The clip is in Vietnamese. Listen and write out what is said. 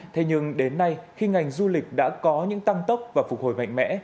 thế nhưng đến nay khi ngành du lịch đã có những tăng tốc và phục hồi mạnh mẽ